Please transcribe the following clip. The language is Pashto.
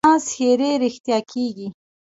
د ناز ښېرې رښتیا کېږي.